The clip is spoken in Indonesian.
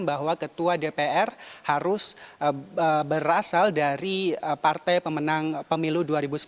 bahwa ketua dpr harus berasal dari partai pemenang pemilu dua ribu sembilan belas